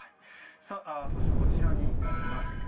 そして、こちらになります。